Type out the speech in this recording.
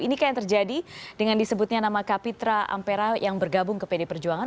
ini keadaan terjadi dengan disebutnya nama kapitra ampera yang bergabung ke pdi perjuangan